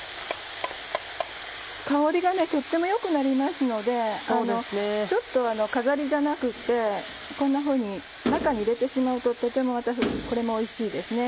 香りがねとっても良くなりますのでちょっと飾りじゃなくってこんなふうに中に入れてしまうととてもこれもおいしいですね。